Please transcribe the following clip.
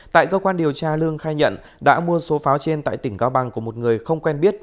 tại cơ quan điều tra lương khai nhận đã mua số pháo trên tại tỉnh cao bằng của một người không quen biết